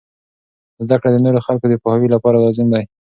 زده کړه د نورو خلکو د پوهاوي لپاره لازم دی.